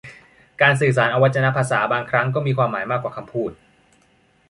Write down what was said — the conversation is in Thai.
การสื่อสารอวัจนภาษาบางครั้งก็มีความหมายมากกว่าคำพูด